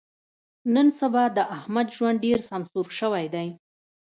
نن سبا د احمد ژوند ډېر سمسور شوی دی.